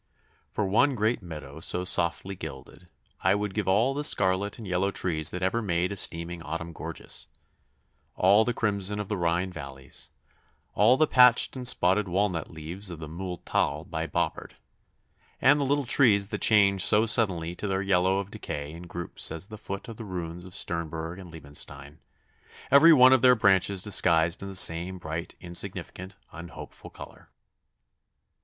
For one great meadow so softly gilded, I would give all the scarlet and yellow trees that ever made a steaming autumn gorgeous all the crimson of the Rhine valleys, all the patched and spotted walnut leaves of the muhl thal by Boppard, and the little trees that change so suddenly to their yellow of decay in groups at the foot of the ruins of Sternberg and Liebenstein, every one of their branches disguised in the same bright, insignificant, unhopeful colour.